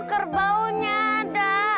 itu kerbaunya ada